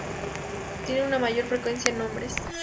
Tienen una mayor frecuencia en hombres.